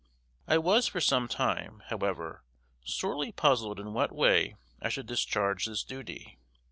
I was for some time, however, sorely puzzled in what way I should discharge this duty.